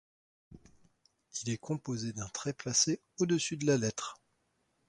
Il est composé d’un trait placé au-dessus de la lettre.